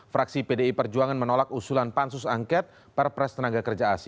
fraksi pdi perjuangan menolak usulan pansus angket perpres tka